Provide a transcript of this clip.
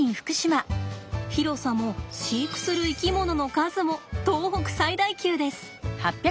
広さも飼育する生き物の数も東北最大級です。